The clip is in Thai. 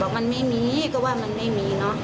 มันไม่มีก็ว่ามันไม่มีเนอะ